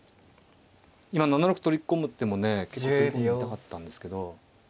今７六取り込む手もね結構取り込んでみたかったんですけど。